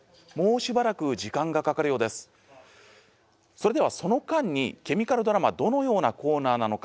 それではその間にケミカルドラマどのようなコーナーなのか